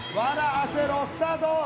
アセろスタート！